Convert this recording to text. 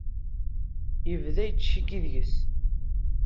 Yebda yettcikki deg-s.